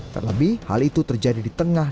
terlebih hal itu terjadi di tengah